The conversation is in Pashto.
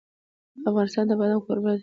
افغانستان د بادام کوربه دی.